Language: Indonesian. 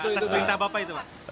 atas perintah bapak itu pak